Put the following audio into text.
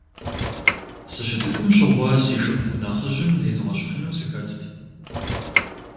Сыщыцӏыкӏум щыгъуэ, си шыпхъу нэхъыжьым зезгъэщхьыну сыхэтт.